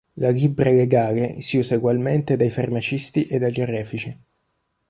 La libbra legale si usa egualmente dai farmacisti e dagli orefici.